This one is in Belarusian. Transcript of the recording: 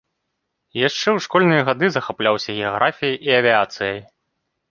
Яшчэ ў школьныя гады захапляўся геаграфіяй і авіяцыяй.